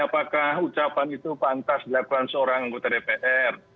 apakah ucapan itu pantas dilakukan seorang anggota dpr